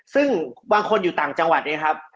ซึ่งบางคนอยู่ต่างจังหวัดเนี่ยครับ